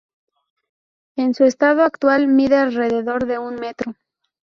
En su estado actual mide alrededor de un metro.